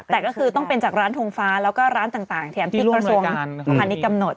แต่ก็คือต้องเป็นจากร้านธงฟ้าแล้วก็ร้านต่างแถมพิกประสงค์คณิดกำหนด